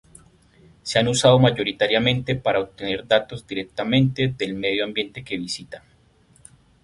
Se han usado mayoritariamente para obtener datos directamente del medio ambiente que visita.